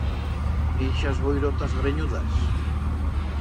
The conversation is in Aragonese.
Ixas boirotas grenyudas.